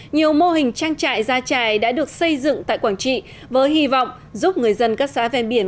nhiều mô hình trang trại ra trại đã được xây dựng tại quảng trị với hy vọng giúp người dân các xã ven biển